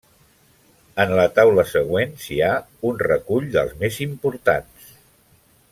En la taula següent s'hi ha un recull dels més importants.